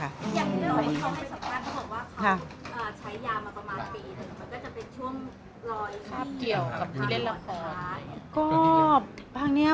อย่างเรื่องที่เราได้รู้กันว่าเขาใช้ยามาประมาณปี